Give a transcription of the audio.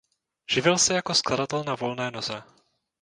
Živil se jako skladatel na volné noze.